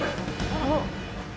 あっ！